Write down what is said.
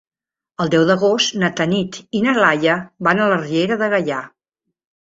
El deu d'agost na Tanit i na Laia van a la Riera de Gaià.